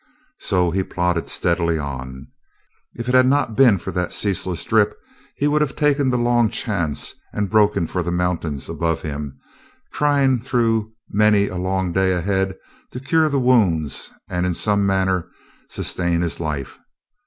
So he plodded steadily on. If it had not been for that ceaseless drip he would have taken the long chance and broken for the mountains above him, trying through many a long day ahead to cure the wounds and in some manner sustain his life.